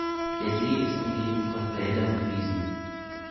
Der See ist umgeben von Feldern und Wiesen.